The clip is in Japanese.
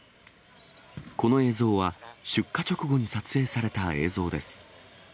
この映像は、出火直後に撮影された映像です。